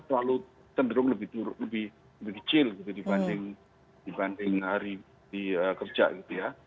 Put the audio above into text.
selalu cenderung lebih kecil dibanding hari di kerja gitu ya